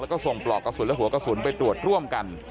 แล้วก็ส่งปลอกกระสุนและหัวกระสุนไปตรวจร่วมกัน